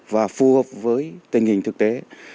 và phù hợp với tình hình thực tế